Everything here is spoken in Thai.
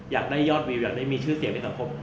อยากได้ยอดวิวอยากได้มีชื่อเสียงในสังคม